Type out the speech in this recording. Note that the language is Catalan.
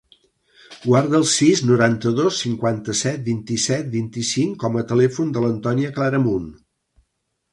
Guarda el sis, noranta-dos, cinquanta-set, vint-i-set, vint-i-cinc com a telèfon de l'Antònia Claramunt.